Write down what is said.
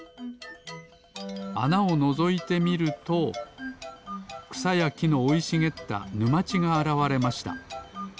あなをのぞいてみるとくさやきのおいしげったぬまちがあらわれました。